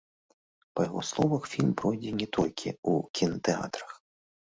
Па яго словах, фільм пройдзе не толькі ў кінатэатрах.